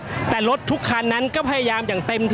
ก็น่าจะมีการเปิดทางให้รถพยาบาลเคลื่อนต่อไปนะครับ